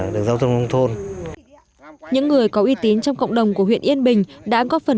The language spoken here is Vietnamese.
đường giao thông nông thôn những người có uy tín trong cộng đồng của huyện yên bình đã có phần